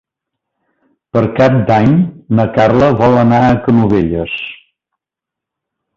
Per Cap d'Any na Carla vol anar a Canovelles.